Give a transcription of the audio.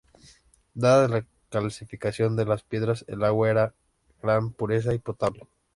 Dadas la calcificación de las piedras, el agua era de gran pureza y potable.